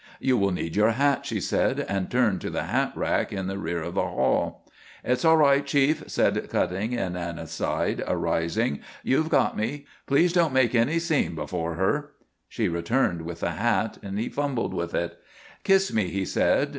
"You will need your hat," she said, and turned to the hat rack in the rear of the hall. "It's all right, Chief," said Cutting, in an aside, arising, "you've got me. Please don't make any scene before her." She returned with the hat. He fumbled with it. "Kiss me," he said.